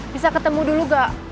bisa ketemu dulu gak